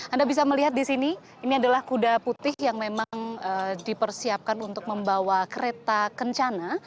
anda bisa melihat di sini ini adalah kuda putih yang memang dipersiapkan untuk membawa kereta kencana